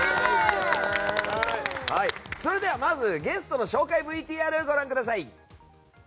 それでは、まずゲストの紹介ＶＴＲをご覧ください。